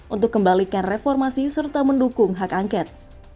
untuk kembalikan reformasi serta mendukung hak angket